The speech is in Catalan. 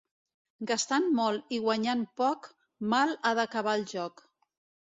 Gastant molt i guanyant poc, mal ha d'acabar el joc.